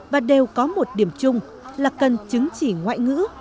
và đều có một điểm chung là cần chứng chỉ ngoại ngữ